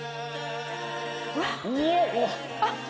うわっ。